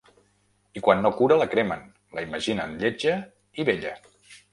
I quan no cura la cremen, la imaginen lletja i vella.